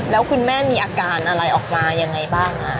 แล้วคุณแม่มีอาการอะไรออกมายังไงบ้าง